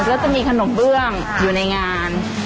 แล้วจะมีขนมเบื้องอยู่ในงาน